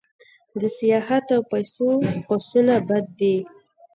د سیاحت او پیسو هوسونه بد دي.